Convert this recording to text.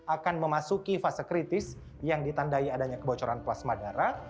akan memasuki fase kritis yang ditandai adanya kebocoran plasma darah